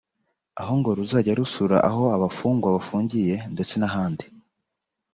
aho ngo ruzajya rusura aho abafungwa bafungiye ndetse n’ahandi